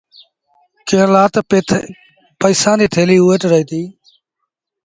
ڪݩهݩ لآ تا پئيسآݩ ريٚ ٿيليٚ اُئي وٽ رهيتي۔